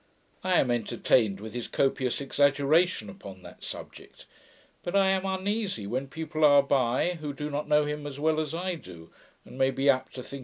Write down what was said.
I am entertained with his copious exaggeration upon that subject; but I am uneasy when people are by, who do not know him as well as I do, and may be apt to think him narrow minded.